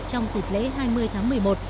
trong dịp kỷ niệm ngày nhà giáo việt nam